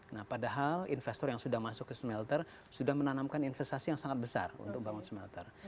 nah padahal investor yang sudah masuk ke smelter sudah menanamkan investasi yang sangat besar untuk bangun smelter